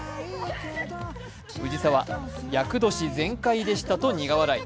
藤澤、厄年全開でしたと苦笑い。